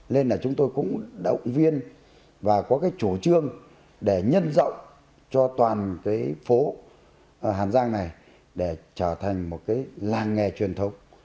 nên là chúng tôi cũng động viên và có cái chủ trương để nhân rộng cho toàn cái phố hàn giang này để trở thành một cái làng nghề truyền thống